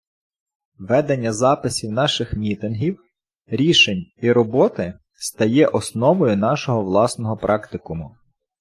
Ведення записів наших мітингів, рішень і роботи стає основою нашого власного практикуму.